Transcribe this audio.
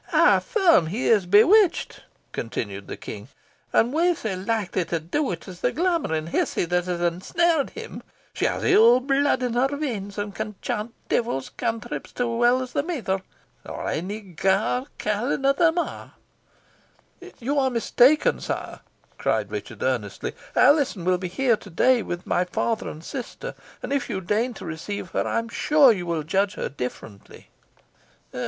"I affirm he is bewitchit," continued the King; "and wha sae likely to do it as the glamouring hizzie that has ensnared him? She has ill bluid in her veins, and can chant deevil's cantrips as weel as the mither, or ony gyre carline o' them a'." "You are mistaken, sire," cried Richard, earnestly. "Alizon will be here to day with my father and sister, and, if you deign to receive her, I am sure you will judge her differently."